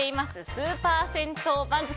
スーパー銭湯番付。